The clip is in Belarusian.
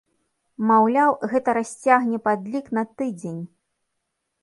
Маўляў, гэта расцягне падлік на тыдзень!